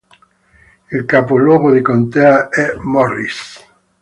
Il capoluogo di contea è Morris.